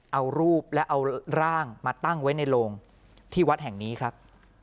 เอารูปและเอาร่างมาตั้งไว้ในโรงที่วัดแห่งนี้ครับ